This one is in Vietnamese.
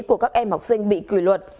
của các em học sinh bị kỳ luật